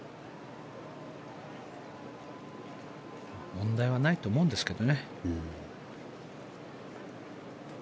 問題はないと思うんですけどね。